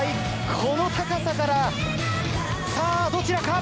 この高さから、さあ、どちらか。